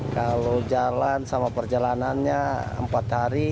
kalau jalan sama perjalanannya empat hari